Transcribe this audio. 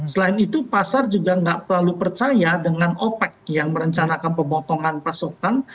selain itu pasar juga nggak terlalu percaya dengan opec yang merencanakan pemotongan pasokan